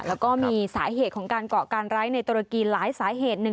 แล้วก็มีสาเหตุของการเกาะการไร้ในตุรกีหลายสาเหตุหนึ่ง